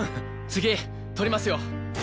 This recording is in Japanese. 次取りますよ。